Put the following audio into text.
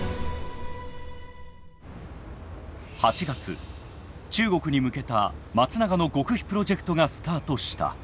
８月中国に向けた松永の極秘プロジェクトがスタートした。